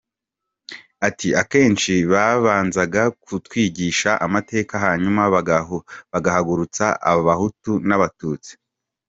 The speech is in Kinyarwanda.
Ati “Akenshi babanzaga kutwigisha amateka, hanyuma bagahagurutsa Abahutu n’Abatutsi.